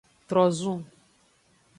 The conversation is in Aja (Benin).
Trozun.